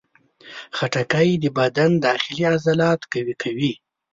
خټکی د بدن داخلي عضلات قوي کوي.